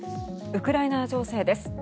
ウクライナ情勢です。